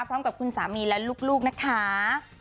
พร้อมกับคุณสามีและลูกนะคะ